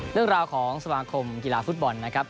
เรื่องราวของสมาคมกีฬาฟุตบอลนะครับ